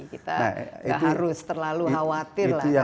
kita gak harus terlalu khawatir